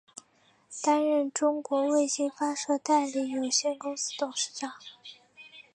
担任中国卫星发射代理有限公司董事长。